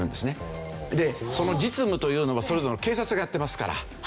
でその実務というのはそれぞれ警察がやってますから。